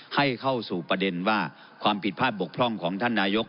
ให้เข้าสู่ประเด็นว่าความผิดพลาดบกพร่องของท่านนายก